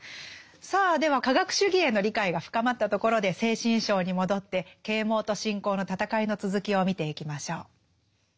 さあでは科学主義への理解が深まったところで「精神章」に戻って啓蒙と信仰の戦いの続きを見ていきましょう。